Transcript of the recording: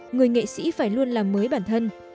người nghệ sĩ phải luôn làm mới bản thân